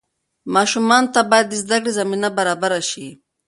ماشومانو ته باید د زدهکړې زمینه برابره شي.